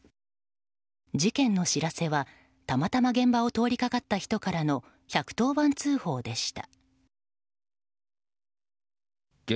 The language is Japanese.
事件の知らせは、たまたま現場を通りかかった人からの１１０番通報でした。